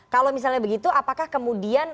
kalau misalnya begitu apakah kemudian